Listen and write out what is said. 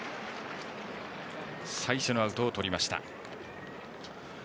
最初のアウトをとりましたニックス。